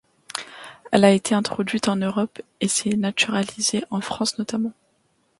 Elle a été introduite en Europe et s'est naturalisée, en France notamment.